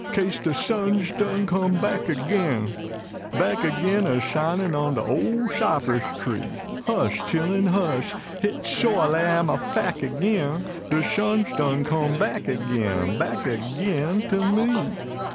Kase de sun s done come back agin, Back agin a shinin on de ole cypress tree ; Hush ! chillun, hush ! Hit shuahly am a fac agin, De sun s done come back agin. Back agin to me.